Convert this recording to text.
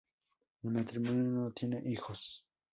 El matrimonio no tiene hijos.